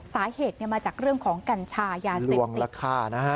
สาเหตุมาจากเรื่องของกัญชายาเสพติดและฆ่านะฮะ